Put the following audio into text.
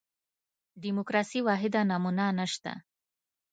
دیموکراسي واحده نمونه نه شته.